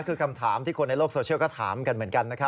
คือคำถามที่คนในโลกโซเชียลก็ถามกันเหมือนกันนะครับ